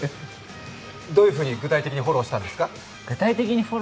どういうふうに具体的にフォローしたんですか？